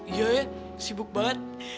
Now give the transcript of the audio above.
iya ya sibuk banget